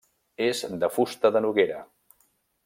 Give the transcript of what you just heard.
És de fusta de noguera.